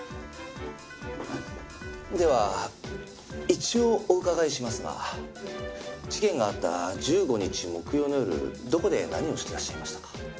では一応お伺いしますが事件があった１５日木曜の夜どこで何をしていらっしゃいましたか？